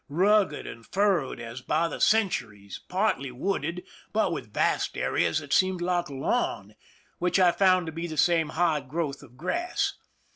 rugged and furrowed as by the cen turies, partly wooded, but with vast areas that seemed like lawn, which I found to be the same high growth of grass.